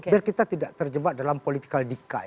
biar kita tidak terjebak dalam political decay